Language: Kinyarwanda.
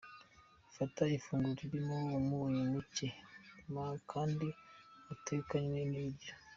Gufata ifunguro ririmo umunyu muke, kandi watekanywe n’ibiryo;.